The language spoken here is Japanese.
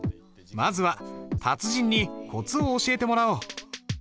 まずは達人にコツを教えてもらおう。